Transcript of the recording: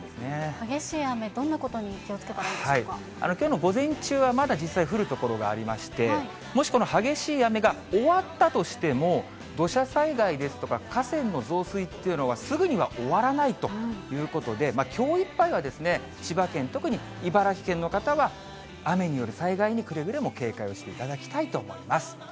激しい雨、どんなことに気をきょうの午前中は、まだ実際、降る所がありまして、もしこの激しい雨が終わったとしても、土砂災害ですとか河川の増水っていうのは、すぐには終わらないということで、きょういっぱいは千葉県、特に茨城県の方は、雨による災害に、くれぐれも警戒をしていただきたいと思います。